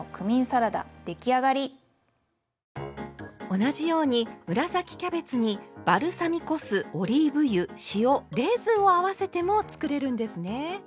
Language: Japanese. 同じように紫キャベツにバルサミコ酢オリーブ油塩レーズンを合わせても作れるんですね。